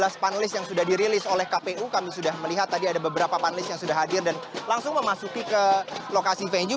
dari panelis yang sudah dirilis oleh kpu kami sudah melihat tadi ada beberapa panelis yang sudah hadir dan langsung memasuki ke lokasi venue